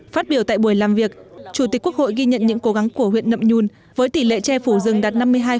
phát biểu tại buổi làm việc chủ tịch quốc hội ghi nhận những cố gắng của huyện nậm nhun với tỷ lệ che phủ rừng đạt năm mươi hai